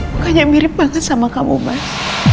mukanya mirip banget sama kamu mas